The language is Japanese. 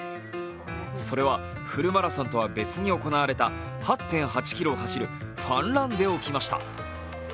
それはフルマラソンとは別に行われた８．８ｋｍを走るファンランで起きました。